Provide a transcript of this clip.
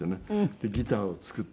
でギターを作って。